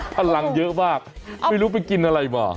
พลังเยอะมากไม่รู้ไปกินอะไรมา